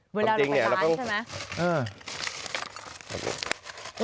เวลาเราไปทานใช่ไหม